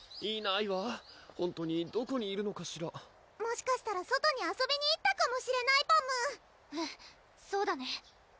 いないわほんとにどこにいるのかしらもしかしたら外に遊びに行ったかもしれないパムうんそうだね